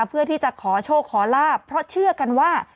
เพื่อที่จะขอโชคขอลาบเพราะเชื่อกันว่า